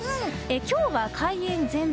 今日は開演前日。